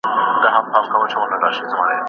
ما د هغې موضوع په اړه ډېر جزیات بیان کړل.